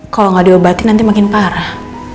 kalau nggak diobatin nanti makin parah